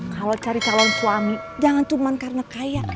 kalau cari calon suami jangan cuma karena kaya